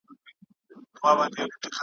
د اولیاوو د شیخانو مجلسونه کیږي ,